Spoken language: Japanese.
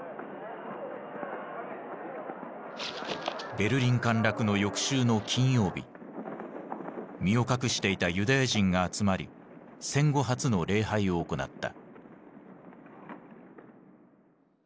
ベルリン陥落の翌週の金曜日身を隠していたユダヤ人が集まり戦後初の礼拝を行った。